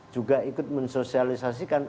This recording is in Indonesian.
juga ikut mensosialisasikan